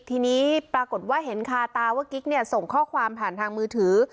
ทีนี้ปรากฏว่าเห็นคาตาว่ากิ๊กเนี่ยส่งข้อความผ่านทางมือถือ